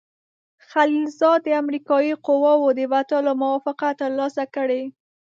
خلیلزاد د امریکایي قواوو د وتلو موافقه ترلاسه کړې.